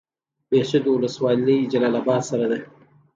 بهسودو ولسوالۍ جلال اباد سره ده؟